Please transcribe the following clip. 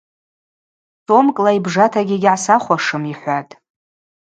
Сомкӏла йбжатагьи йгьгӏасахвуашым, – йхӏватӏ.